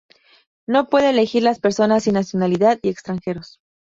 No puede elegir las personas sin nacionalidad y extranjeros.